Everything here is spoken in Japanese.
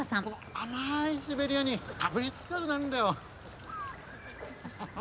甘いシベリアにかぶりつきたくなるんだよ。